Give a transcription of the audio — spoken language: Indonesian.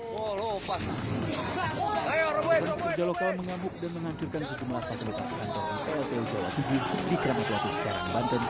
tenaga kerja lokal mengamuk dan menghancurkan sejumlah fasilitas kantor di pltu jawa tujuh kramatuatu serang banten